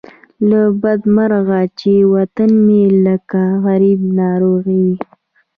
له بده مرغه چې وطن مې لکه غریبه ناوې وو.